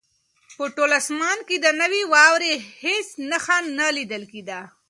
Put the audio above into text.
په ټول اسمان کې د نوې واورې هېڅ نښه نه لیدل کېده.